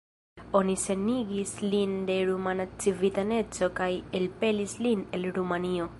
Oni senigis lin de rumana civitaneco kaj elpelis lin el Rumanio.